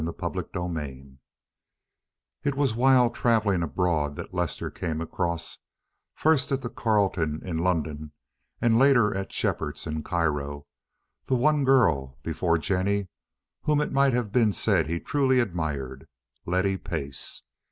CHAPTER XLV It was while traveling abroad that Lester came across, first at the Carlton in London and later at Shepheards in Cairo, the one girl, before Jennie, whom it might have been said he truly admired—Letty Pace.